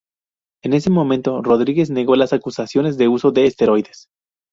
En ese momento, "Rodríguez" negó las acusaciones de uso de esteroides.